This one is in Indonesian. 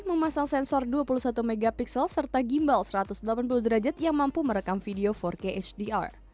memasang sensor dua puluh satu mp serta gimbal satu ratus delapan puluh derajat yang mampu merekam video empat k hdr